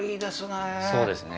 そうですね。